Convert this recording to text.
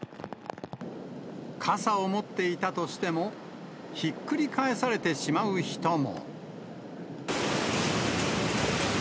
傘を持っていたとしても、ひっくり返されてしまう人も。